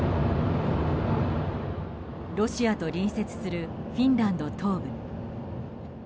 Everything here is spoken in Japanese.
ロシアと隣接するフィンランド東部。